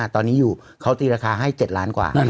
ตอนนี้อยู่เขาตีราคาให้๗ล้านกว่า